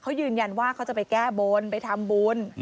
เขายืนยันว่าเขาจะไปแก้บนไปทำบุญ